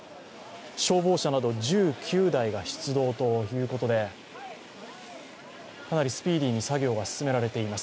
消防車など１９台が出動ということで、かなりスピーディーに作業が進められています。